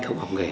không học nghề